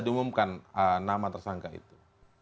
diumumkan nama tersangka itu